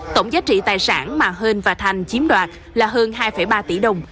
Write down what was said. tổng giá trị tài sản mà hên và thành chiếm đoạt là hơn hai ba tỷ đồng